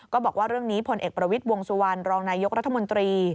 ก็บอกว่าเรื่องนี้พลเอกประวิทย์วงสุวรรณรองนายกรัฐมนตรี